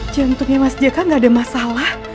jantungnya mas jk gak ada masalah